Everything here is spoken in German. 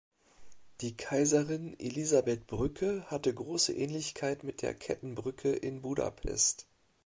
Die Kaiserin-Elisabeth-Brücke hatte große Ähnlichkeit mit der Kettenbrücke in Budapest.